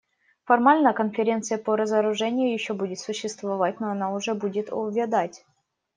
Формально Конференция по разоружению еще будет существовать, но она уже будет увядать.